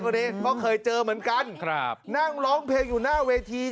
พอดีก็เคยเจอเหมือนกันครับนั่งร้องเพลงอยู่หน้าเวที